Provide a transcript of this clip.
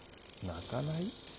鳴かない？